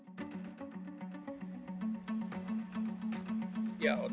itu dipercaya dengan kebenaran